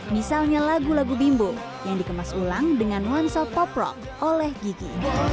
misalnya lagu lagu bimbo yang dikemas ulang dengan nuansa pop rock oleh gigi